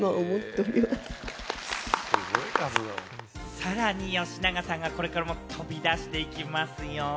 さらに吉永さんがこれからも飛び出していきますよ。